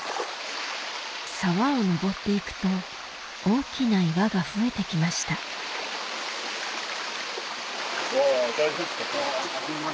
沢を登って行くと大きな岩が増えて来ましたうわ。